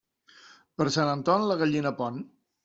Per Sant Anton, la gallina pon.